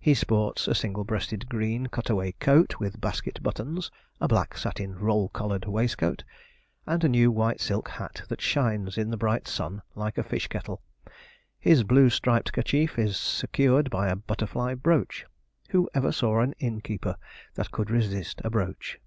He sports a single breasted green cutaway coat, with basket buttons, a black satin roll collared waistcoat, and a new white silk hat, that shines in the bright sun like a fish kettle. His blue striped kerchief is secured by a butterfly brooch. Who ever saw an innkeeper that could resist a brooch?